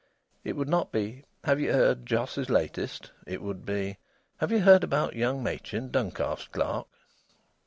It would not be: "Have ye heard Jos's latest?" It would be: "Have ye heard about young Machin, Duncalf's clerk?"